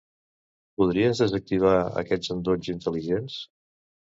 Podries desactivar aquests endolls intel·ligents?